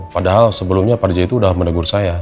padahal sebelumnya pak rija itu udah menegur saya